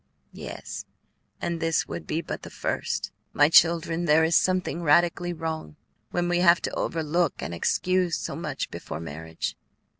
"Yes; and this would be but the first. My children, there is something radically wrong when we have to overlook and excuse so much before marriage.